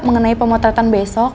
mengenai pemotretan besok